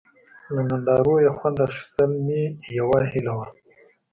له نندارو یې خوند اخیستل مې یوه هیله وه.